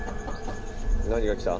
何が来た？